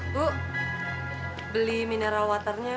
bu beli mineral waternya